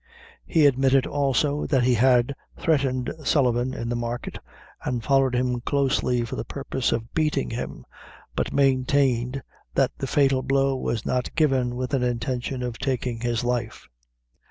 He admitted also that he had threatened Sullivan in the market, and followed him closely for the purpose of beating him, but maintained that the fatal blow was not given with an intention of taking his life.